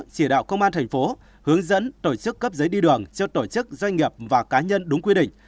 chỉ đạo công an thành phố hướng dẫn tổ chức cấp giấy đi đường cho tổ chức doanh nghiệp và cá nhân đúng quy định